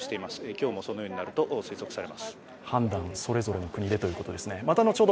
今日も、そのようになると推測されます。